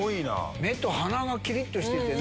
目と鼻がきりっとしててね。